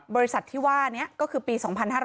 บริษัทที่ว่านี้ก็คือปี๒๕๕๙